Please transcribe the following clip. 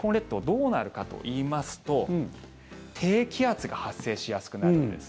どうなるかといいますと低気圧が発生しやすくなるんです。